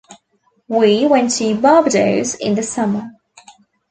We went to Barbados in the summer.